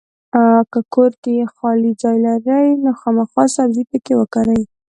کۀ کور کې خالي ځای لرئ نو خامخا سبزي پکې وکرئ!